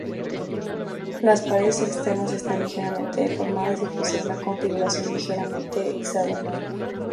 Las paredes externas están ligeramente deformadas y poseen una configuración ligeramente hexagonal.